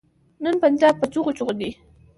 نن پنجاب په چيغو چيغو دی.